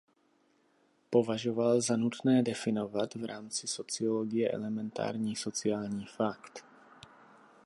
Považoval za nutné definovat v rámci sociologie elementární sociální fakt.